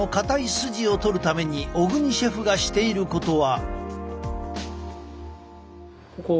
スジを取るために小國シェフがしていることは。